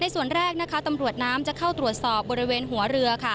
ส่วนแรกตำรวจน้ำจะเข้าตรวจสอบบริเวณหัวเรือ